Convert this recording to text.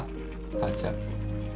母ちゃん。